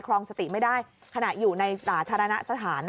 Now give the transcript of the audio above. รองสติไม่ได้ขณะอยู่ในสาธารณสถาน